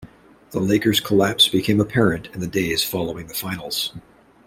The Lakers' collapse became apparent in the days following the Finals.